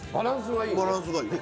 バランスがいいね。